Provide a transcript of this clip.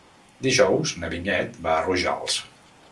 Dijous na Vinyet va a Rojals.